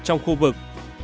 trong khu vực